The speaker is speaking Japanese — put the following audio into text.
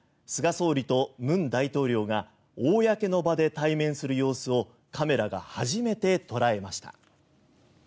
総理と文大統領が公の場で対面する様子をカメラが初めて捉えました。